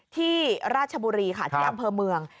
ที่ราชบุรีค่ะที่อำเภอเมือง